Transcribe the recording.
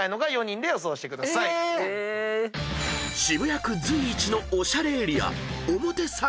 ［渋谷区随一のおしゃれエリア］